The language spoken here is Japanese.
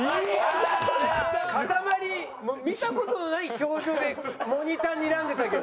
かたまり見た事のない表情でモニターにらんでたけど。